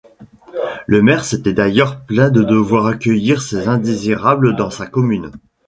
Le maire s’était d’ailleurs plaint de devoir accueillir ces indésirables dans sa commune.